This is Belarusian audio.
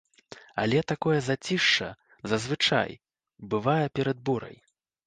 Але такое зацішша, зазвычай, бывае перад бурай.